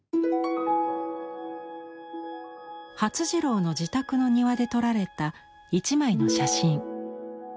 發次郎の自宅の庭で撮られた一枚の写真。